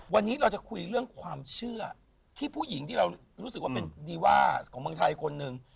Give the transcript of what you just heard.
วันนี้เราจะคุยเรื่องความเชื่อที่ผู้หญิงที่เรารู้สึกว่าเป็นดีว่าของเมืองไทยคนหนึ่ง